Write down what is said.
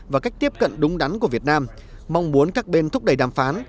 và cách tiếp cận đúng đắn của việt nam mong muốn các bên thúc đẩy đàm phán